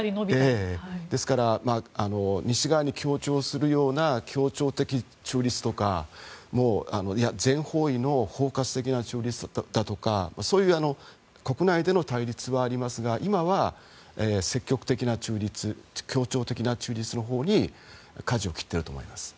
ですから西側に協調するような協調的中立とか全方位の包括的な中立だとかそういう国内での対立はありますが今は、積極的な中立協調的な中立のほうにかじを切っていると思います。